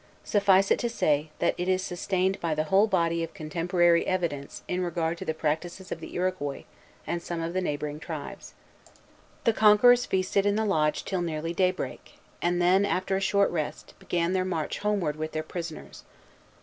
Suffice it to say, that it is sustained by the whole body of contemporary evidence in regard to the practices of the Iroquois and some of the neighboring tribes. The conquerors feasted in the lodge till nearly daybreak, and then, after a short rest, began their march homeward with their prisoners.